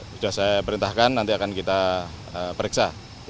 sudah saya perintahkan nanti akan kita periksa